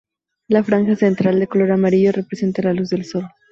La franja central, de color amarillo, representa la luz del sol.